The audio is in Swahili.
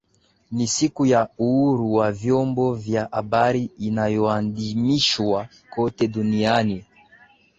ni siku ya uhuru wa vyombo vya habari inayoadhimishwa kote duniani